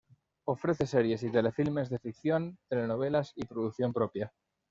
Ofrece series y telefilmes de ficción, telenovelas y producción propia.